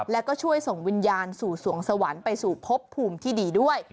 แล้วก็ช่วยส่งวิญญาณสู่สวงสวรรค์ไปสู่พบภูมิที่ดีด้วย